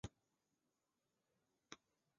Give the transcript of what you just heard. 这些版本不能与其他版本一样粗暴使用。